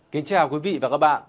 kính chào quý vị và các bạn